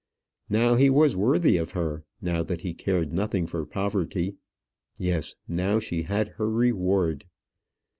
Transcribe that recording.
Now he was worthy of her, now that he cared nothing for poverty. Yes, now she had her reward.